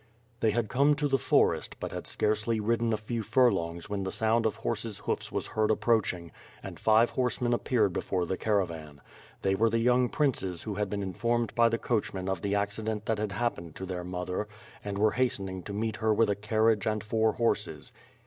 They had come to the forest, but had scarcely ridden a few furlongs when the sound of horses' hoofs was heard approaching, and five horsemen appeared before the caravan. They were the young princes who had been informed by the coachman of the accident that had happened to their mother, and were hastening to meet her with a carriage and four horses.